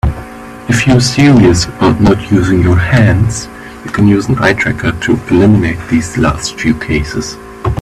If you're serious about not using your hands, you can use an eye tracker to eliminate these last few cases.